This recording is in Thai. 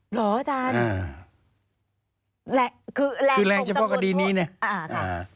หรอจ้ะคือแรงของสมมุติพวกคือแรงเฉพาะคดีนี้เนี่ย